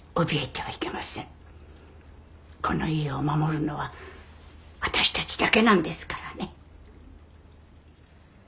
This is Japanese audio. この家を守るのは私たちだけなんですからね。